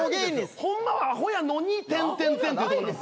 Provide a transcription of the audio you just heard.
「ホンマはアホやのに」っていうとこなんですよ。